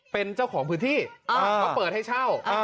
เป็นเจ้าของพื้นที่เขาเปิดให้เช่า